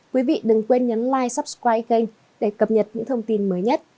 quý vị đừng quên nhấn like supsky kênh để cập nhật những thông tin mới nhất